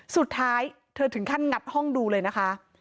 สุดท้ายเธอถึงขั้นงัดห้องดูเลยนะคะ